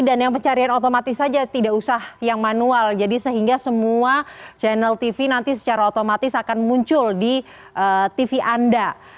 dan yang pencarian otomatis saja tidak usah yang manual jadi sehingga semua channel tv nanti secara otomatis akan muncul di tv anda